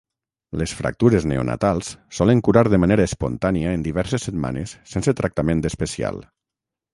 Les fractures neonatals solen curar de manera espontània en diverses setmanes sense tractament especial.